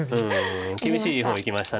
厳しい方いきました。